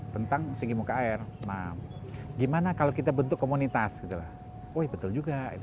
tentang tinggi muka air nah gimana kalau kita bentuk komunitas gitu woy betul juga itu